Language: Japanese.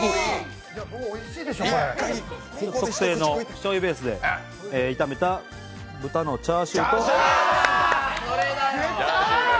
しょうゆベースで炒めた豚のチャーシューとメンマ。